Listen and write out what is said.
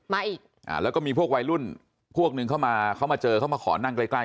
มาอีกอ่าแล้วก็มีพวกวัยรุ่นพวกหนึ่งเข้ามาเขามาเจอเขามาขอนั่งใกล้ใกล้